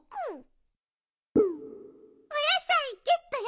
おやさいゲットよ！